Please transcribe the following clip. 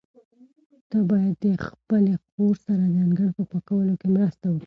ته باید د خپلې خور سره د انګړ په پاکولو کې مرسته وکړې.